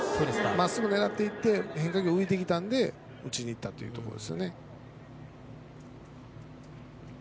まっすぐを狙っていって変化球が浮いてきたので打ちにいったというところですね。